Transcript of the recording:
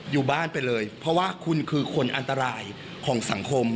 อยู่บ้านไปเลยเพราะว่าคุณคือคนอันตรายของสังคม